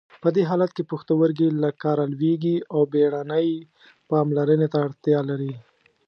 په دې حالت کې پښتورګي له کاره لویږي او بیړنۍ پاملرنې ته اړتیا لري.